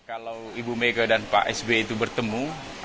kalau ibu mega dan pak sby itu bertemu